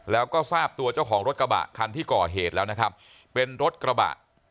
แล้วก็ทราบตัวเจ้าของรถกระบะคันที่ก่อเหตุแล้วนะครับเป็นรถกระบะ